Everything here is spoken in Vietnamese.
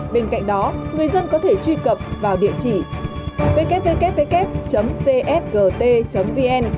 bên cạnh đó người dân có thể truy cập vào địa chỉ www csgt vn